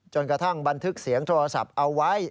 กระทั่งบันทึกเสียงโทรศัพท์เอาไว้